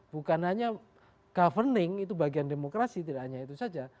bukan hanya governing itu bagian demokrasi tidak hanya itu saja